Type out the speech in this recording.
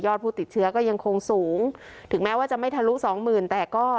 ผู้ติดเชื้อก็ยังคงสูงถึงแม้ว่าจะไม่ทะลุสองหมื่นแต่ก็